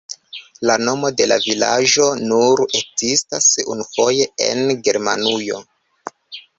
La nomo de la vilaĝo nur ekzistas unufoje en Germanujo.